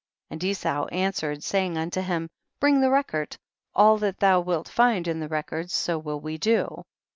56. And Esau answered, saying unto him, bring the record, all that thou wilt find in the record, so will we do.